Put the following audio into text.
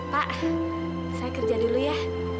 pak saya kerja dulu ya